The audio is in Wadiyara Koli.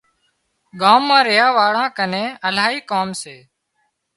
ڳام مان ريا واۯان ڪنين الاهي ڪام سي